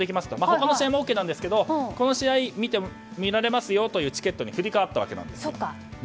他の試合でもＯＫなんですけどこの試合を見られますよというチケットに振り替わったわけなんです。